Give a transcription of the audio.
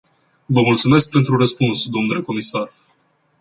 Vă mulțumesc pentru răspuns, domnule comisar.